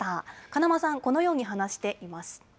金間さん、このように話しています。